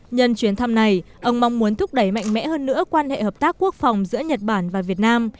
nhân chuyến thăm này ông mong muốn thúc đẩy mạnh mẽ hơn nữa quan hệ hợp tác quốc phòng giữa nhật bản và việt nam